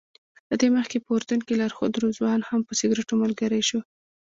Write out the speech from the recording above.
له دې مخکې په اردن کې لارښود رضوان هم په سګرټو ملګری شو.